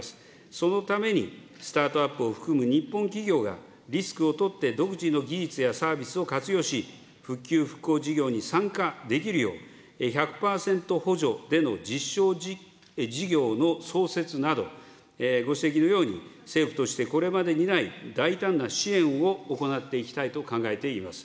そのために、スタートアップを含む日本企業がリスクを取って独自の技術やサービスを活用し、復旧・復興事業に参加できるよう、１００％補助での実証事業の創設など、ご指摘のように、政府としてこれまでにない大胆な支援を行っていきたいと考えています。